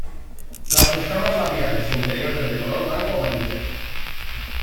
Las escamas labiales e inferiores de color blanco amarillento.